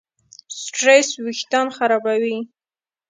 سټرېس وېښتيان خرابوي.